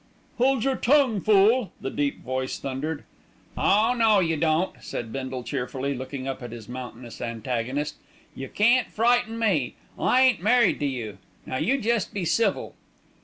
"Hold your tongue, fool!" the deep voice thundered. "Oh, no, you don't!" said Bindle cheerfully, looking up at his mountainous antagonist. "You can't frighten me, I ain't married to you. Now you jest be civil."